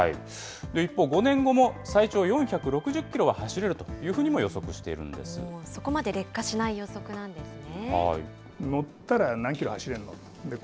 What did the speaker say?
一方、５年後も最長４６０キロは走れるというふうにも予測しそこまで劣化しない予測なんですね。